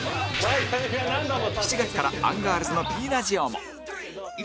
７月からアンガールズの Ｐ ラジオも